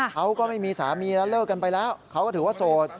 เขาก็ไม่มีสามีแล้วเลิกกันไปแล้วเขาก็ถือว่าโสด